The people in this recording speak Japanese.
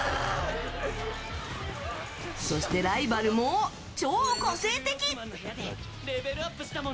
そして、ライバルも超個性的！